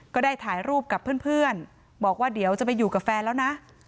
ก็ได้ถ่ายรูปกับเพื่อนบอกว่าเดี๋ยวจะไปอยู่กับแฟนแล้วนะ